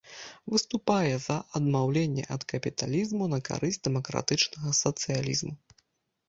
Выступае за адмаўленне ад капіталізму на карысць дэмакратычнага сацыялізму.